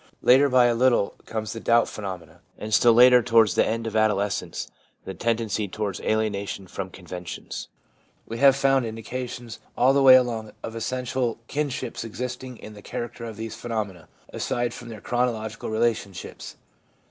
Later by a little comes the doubt phenomenon, and still later, 251 252 THE PSYCHOLOGY OF RELIGION towards the end of adolescence, the tendency towards alienation from conventions. We have found indica tions all the way along of essential Unships existing in the character of these phenomena aside from their chronological relationships.